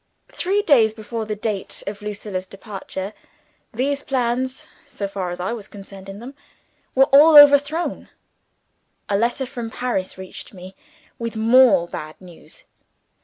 Three days before the date of Lucilla's departure, these plans so far as I was concerned in them were all over thrown. A letter from Paris reached me, with more bad news.